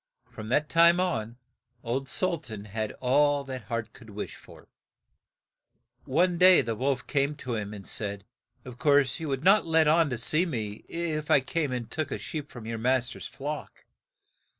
From that time on old Sul tan had all that heart could wish for. One day the wolf came to see him, and said, "Of course you would not let on to see me if I came and took a sheep from your mas ter's flock.